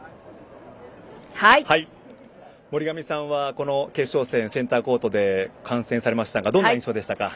森上さんは、この決勝センターコートで観戦されましたがどんな印象でしたか？